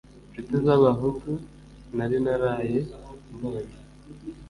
Inshuti z'Abahutu nari naraye mbonye,